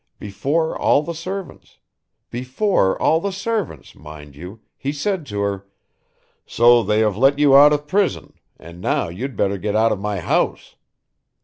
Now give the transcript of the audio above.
Before all the servants. Before all the servants, mind you, he said to her, 'So they have let you out of prison and now you'd better get out of my house.'